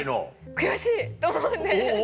悔しい！と思って。